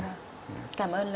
cảm ơn lời